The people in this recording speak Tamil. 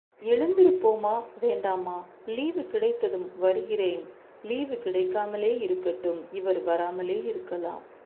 எழுந்திருப்போமா, வேண்டாமா? லீவு கிடைத்ததும் வருகிறேன். லீவு கிடைக்காமலே இருக்கட்டும் இவர் வராமலே இருக்கலாம்.